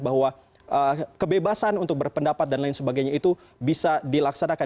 bahwa kebebasan untuk berpendapat dan lain sebagainya itu bisa dilaksanakan